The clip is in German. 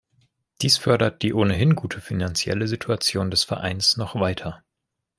Dies fördert die ohnehin gute finanzielle Situation des Vereins noch weiter.